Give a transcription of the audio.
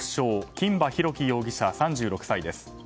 金馬裕樹容疑者、３６歳です。